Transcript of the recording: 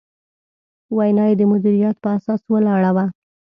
وینا یې د مدیریت په اساس ولاړه وه.